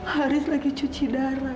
haris lagi cuci darah